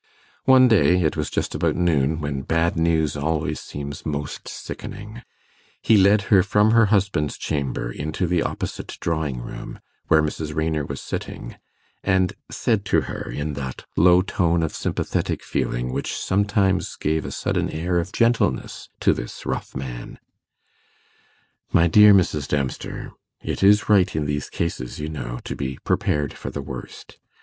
One day it was just about noon, when bad news always seems most sickening he led her from her husband's chamber into the opposite drawing room, where Mrs. Raynor was sitting, and said to her, in that low tone of sympathetic feeling which sometimes gave a sudden air of gentleness to this rough man 'My dear Mrs. Dempster, it is right in these cases, you know, to be prepared for the worst.